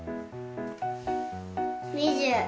２０！